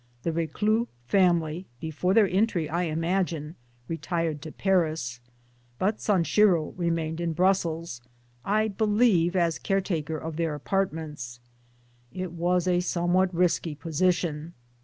[The Reclus family before their entry I imagine retired to Paris ; but Sanshiro remained in Brussels I believe as caretaker of their apartments. It was a somewhat risky position.